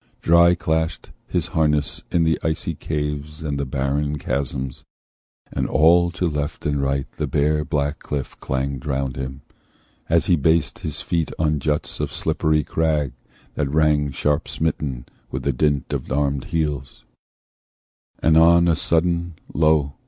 Dry clashed his harness in the icy caves And barren chasms, and all to left and right The bare black cliff clanged round him, as he based His feet on juts of slippery crag that rang Sharp smitten with the dint of armed heels— And on a sudden, lo!